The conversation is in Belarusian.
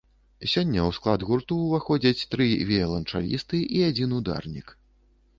Сёння ў склад гурту ўваходзяць тры віяланчалісты і адзін ударнік.